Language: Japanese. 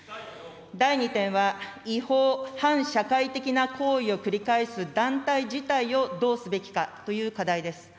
第２点は、違法、反社会的な行為を繰り返す団体自体をどうすべきかという課題です。